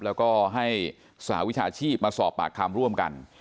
แล้วก็ให้สหวิชาชีพมาสอบปากคำร่วมกัน